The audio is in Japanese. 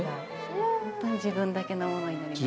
やっぱり自分だけのものになります。